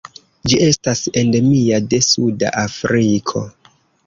Ĝi estas endemia de suda Afriko.